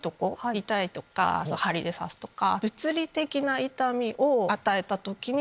痛いとか針で刺すとか。